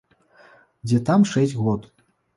Дзе там шэсць год!